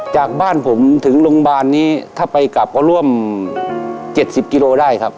จากบ้านผมถึงโรงพยาบาลนี้ถ้าไปกลับก็ร่วม๗๐กิโลได้ครับ